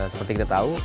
seperti kita tahu